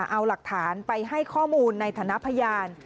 เอาหลักฐานไปให้ข้อมูลในฐานะพยาน